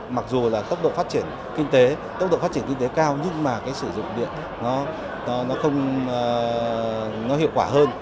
mặc dù tốc độ phát triển kinh tế cao nhưng sử dụng điện hiệu quả hơn